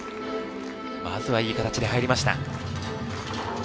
まずはいい形で入りました。